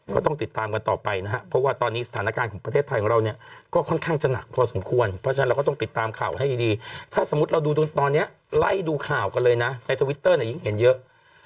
ก็ต้องติดตามกันต่อไปนะครับเพราะว่าตอนนี้สถานการณ์ของประเทศไทยของเราเนี่ยก็ค่อนข้างจะหนักพอสมควรเพราะฉะนั้นเราก็ต้องติดตามข่าวให้ดีถ้าสมมุติเราดูตอนนี้ไล่ดูข่าวกันเลยนะในทวิตเตอร์เนี่ยยิ่งเห็นเยอะ